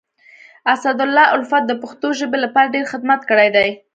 اسدالله الفت د پښتو ژبي لپاره ډير خدمت کړی دی.